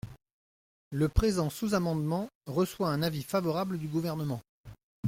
Le présent sous-amendement reçoit un avis favorable du Gouvernement.